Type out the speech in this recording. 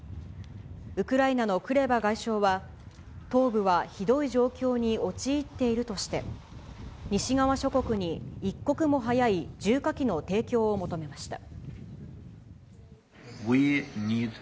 ウクライナのクレバ外相は、東部はひどい状況に陥っているとして、西側諸国に一刻も早い重火器の提供を求めました。